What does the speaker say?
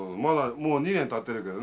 もう２年たってるけどね